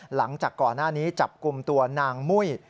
หลังจากก่อนหน้านี้จับกลุ่มตัวนางมุ้ย